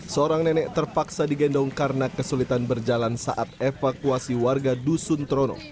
seorang nenek terpaksa digendong karena kesulitan berjalan saat evakuasi warga dusun trono